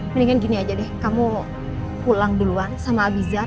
mendingan gini aja deh kamu pulang duluan sama abiza